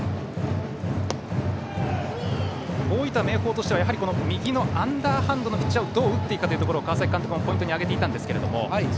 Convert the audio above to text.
大分・明豊としては右のアンダーハンドのピッチャーをどう打っていくかというところを川崎監督もポイントに挙げていましたが。